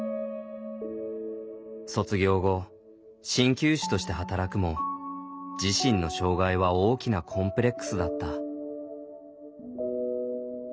卒業後鍼灸師として働くも自身の障害は大きなコンプレックスだった。